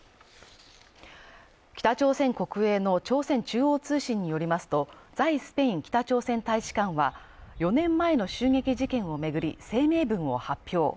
北朝鮮国営の朝鮮中央通信によりますと、在スペイン北朝鮮大使館は４年前の襲撃事件を巡り、声明文を発表。